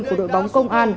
của đội bóng công an